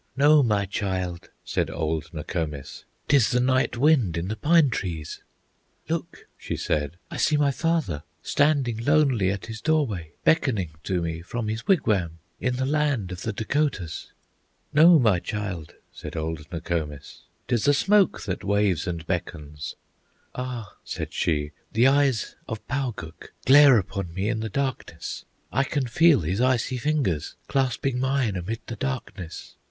"No, my child!" said old Nokomis, "'T is the night wind in the pine trees!" "Look!" she said; "I see my father Standing lonely at his doorway, Beckoning to me from his wigwam In the land of the Dacotahs!" "No, my child!" said old Nokomis. "'T is the smoke, that waves and beckons!" "Ah!" said she, "the eyes of Pauguk Glare upon me in the darkness, I can feel his icy fingers Clasping mine amid the darkness!